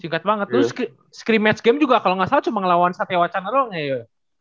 singkat banget lu scrim match game juga kalau gak salah cuma ngelawan satewa channerong ya